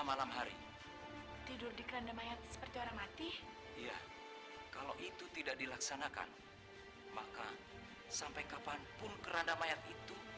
ketika kita berdua kita tidak bisa menemukan keti